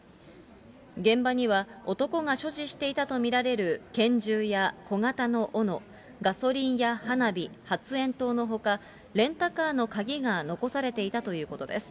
現場には、男が所持していたと見られる拳銃や小型のおの、ガソリンや花火、発煙筒のほか、レンタカーの鍵が残されていたということです。